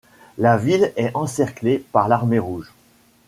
La ville est encerclée par l'armée rouge.